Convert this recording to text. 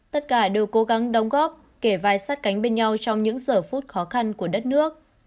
tất cả đều cố gắng đóng góp kể vai sát cánh bên nhau trong những giờ phút khó khăn của đất nước